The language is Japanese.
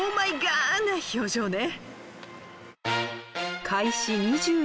な表情ね！